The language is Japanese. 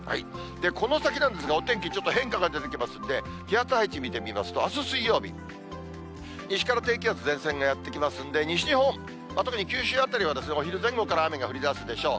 この先なんですが、お天気、ちょっと変化が出てきますんで、気圧配置見てみますと、あす水曜日、西から低気圧、前線がやって来ますんで、西日本、特に九州辺りは、お昼前後から雨が降りだすでしょう。